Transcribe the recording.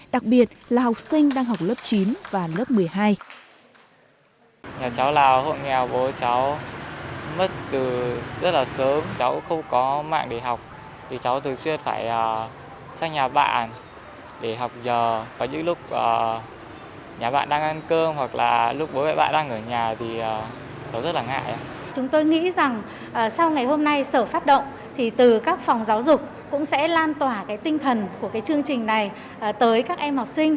đặc biệt là học sinh đang học lớp chín và lớp một mươi hai